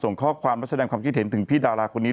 ส่งข้อความมาแสดงความคิดเห็นถึงพี่ดาราคนนี้